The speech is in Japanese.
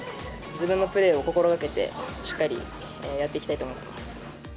自分のプレーを心がけて、しっかりやっていきたいと思ってます。